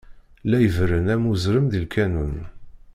La iberren am uẓṛem di lkanun.